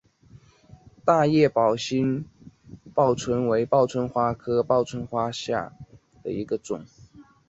大叶宝兴报春为报春花科报春花属下的一个种。